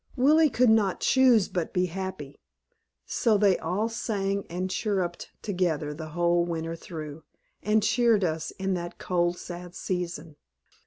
Willie could not choose but be happy. So they all sang and chirruped together the whole winter through, and cheered us in that cold, sad season.